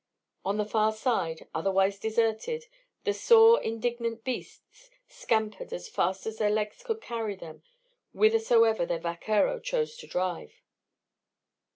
On the far side, otherwise deserted, the sore indignant beasts scampered as fast as their legs could carry them whithersoever their vaquero chose to drive.